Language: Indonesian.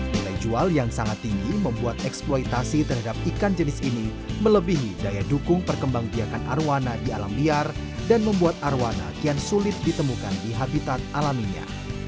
nilai jual yang sangat tinggi membuat eksploitasi terhadap ikan jenis ini melebihi daya dukung perkembang biakan arowana di alam liar dan membuat arowana kian sulit ditemukan di habitat alaminya